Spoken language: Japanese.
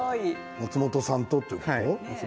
松本さんということ？